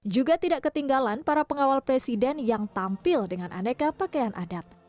juga tidak ketinggalan para pengawal presiden yang tampil dengan aneka pakaian adat